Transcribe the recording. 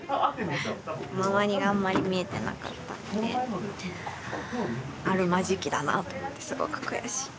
周りがあんまり見えてなかったんであるまじきだなと思ってすごく悔しい。